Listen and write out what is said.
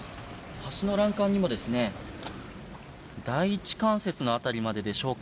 橋の欄干にも第１関節の辺りまででしょうか。